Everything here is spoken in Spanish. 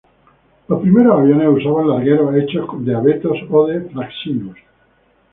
Los primeros aviones usaban largueros hechos de Abetos o de Fraxinus.